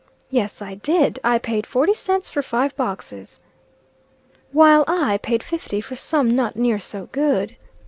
"Yes I did. I paid forty cents for five boxes." "While I paid fifty for some not near so good."